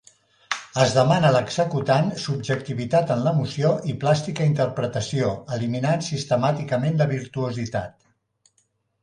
Es demana a l'executant subjectivitat en l'emoció i plàstica interpretació, eliminant sistemàticament la virtuositat.